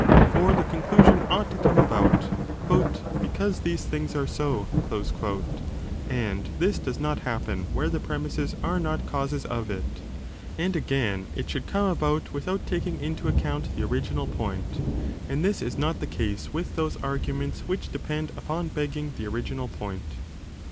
For the conclusion ought to come about 3 because these things are so , 4 and this does not 25 happen where the premisses are not causes of it : and again it should come about without taking into account the original point, and this is not the case with those arguments which depend upon begging the original point.